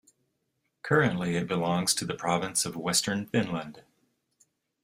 Currently it belongs to the province of Western Finland.